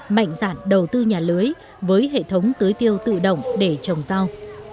mạnh dạn đầu tư nhà lưới với hệ thống tưới tiêu tự động để trồng rau